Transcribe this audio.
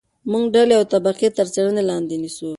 موږ ډلې او طبقې تر څېړنې لاندې نیسو.